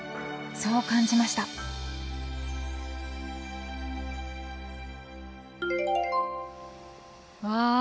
そう感じましたわあ。